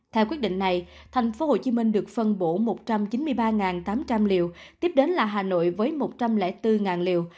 theo quyết định này thành phố hồ chí minh được phân bổ một trăm chín mươi ba tám trăm linh liều tiếp đến là hà nội với một trăm linh bốn liều